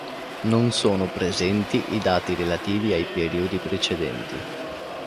Non sono presenti i dati relativi ai periodi precedenti.